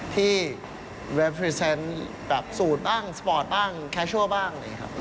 ที่แฟชั่นแบบสูตรบ้างสปอร์ตบ้างแคชั่วบ้าง